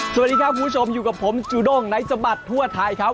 สวัสดีครับคุณผู้ชมอยู่กับผมจูด้งในสบัดทั่วไทยครับ